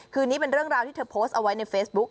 คือนี้เป็นเรื่องราวที่เธอโพสต์เอาไว้ในเฟซบุ๊ค